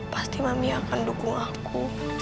pasti mami akan dukung aku